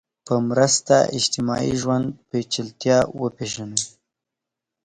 په مرسته اجتماعي ژوند پېچلتیا وپېژنو